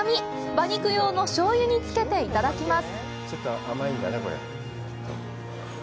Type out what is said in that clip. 馬肉用の醤油につけていただきます！